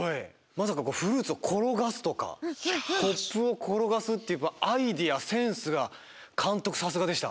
まさかフルーツをころがすとかコップをころがすっていうアイデアセンスがかんとくさすがでした！